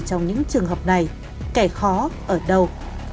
trong những trường hợp này kẻ khó ở đâu